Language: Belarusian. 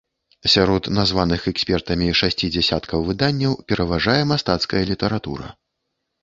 Сярод названых экспертамі шасці дзясяткаў выданняў пераважае мастацкая літаратура.